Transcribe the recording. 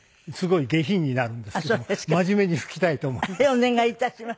お願い致します。